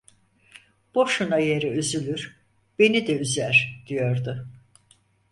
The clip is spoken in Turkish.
Boşuna yere üzülür, beni de üzer! diyordu.